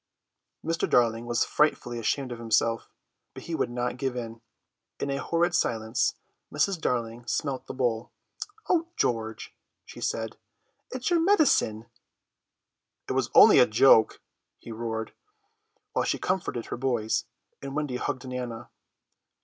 Mr. Darling was frightfully ashamed of himself, but he would not give in. In a horrid silence Mrs. Darling smelt the bowl. "O George," she said, "it's your medicine!" "It was only a joke," he roared, while she comforted her boys, and Wendy hugged Nana.